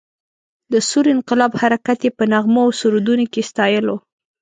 د ثور انقلاب حرکت یې په نغمو او سرودونو کې ستایلو.